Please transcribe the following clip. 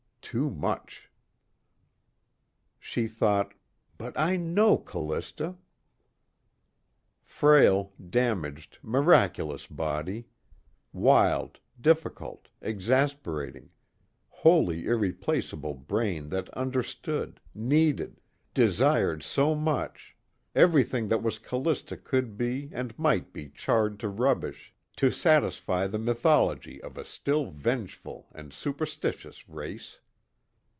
Too much. She thought: But I know Callista! Frail, damaged, miraculous body; wild, difficult, exasperating, wholly irreplaceable brain that understood, needed, desired so much everything that was Callista could be and might be charred to rubbish, to satisfy the mythology of a still vengeful and superstitious race.